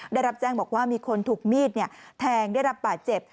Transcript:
ได้รับแจ้งบอกว่ามีคนถูกมีดแทงได้รับบาดเจ็บ